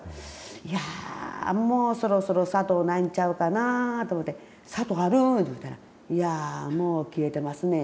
いやもうそろそろ砂糖ないんちゃうかなあと思うて「砂糖あるん？」って言うたら「いやもう切れてますねん」